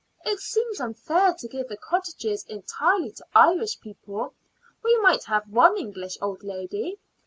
"It seems unfair to give the cottages entirely to Irish people. We might have one English old lady.